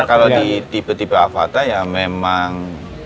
kalau di tipe tipe avata ya memang